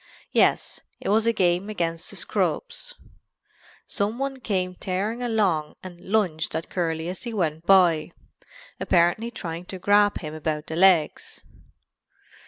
Yes, it was a game against the scrubs. "Some one came tearing along and lunged at Curly as he went by, apparently trying to grab him about the legs.